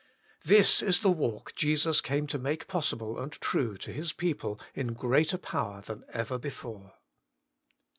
This is the walk Jesus came to make possible and true to His people in greater power than ever before.